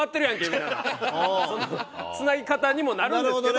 みたいなつなぎ方にもなるんですけど。